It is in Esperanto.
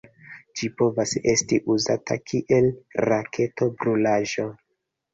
Ĝi povas esti uzata kiel raketo-brulaĵo.